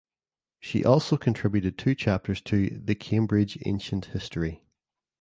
She also contributed two chapters to "The Cambridge Ancient History".